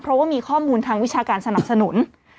เพราะว่ามีข้อมูลทางวิชาการสนับสนุน